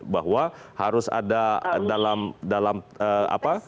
bahwa harus ada dalam apa